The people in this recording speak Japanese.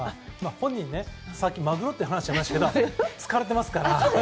本人、さっきマグロって話がありましたけど疲れてますから。